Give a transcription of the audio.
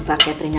udah ke kamar dulu